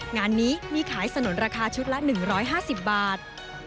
งานนี้มีขายสนุนราคาชุดละ๑๕๐บาท